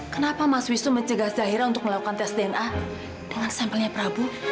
kenapa mas wisnu mencegah zahira untuk melakukan tes dna dengan sampelnya prabu